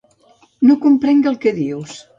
No comprenc el que dius.